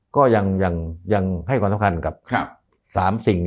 ก็ยังให้ความสำคัญกับ๓สิ่ง